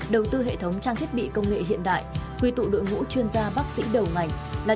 đầu tư hệ thống trang thiết bị công nghệ hiện đại quy tụ đội ngũ chuyên gia bác sĩ đầu ngành là